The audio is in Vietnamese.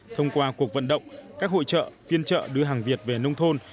thông qua cuộc vận động các hội trợ phiên trợ đưa hàng việt về nông thôn